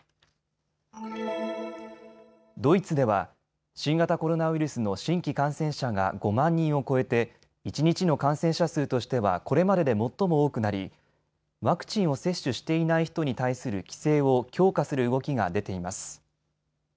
ドイツでは新型コロナウイルスの新規感染者が５万人を超えて一日の感染者数としてはこれまでで最も多くなりワクチンを接種していない人に対する規制を強化する動きが出ています。